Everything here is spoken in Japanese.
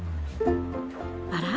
あら？